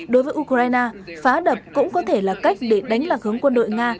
đối với ukraine phá đập cũng có thể là cách để đánh lạc hướng quân đội nga